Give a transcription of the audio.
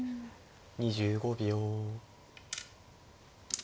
２５秒。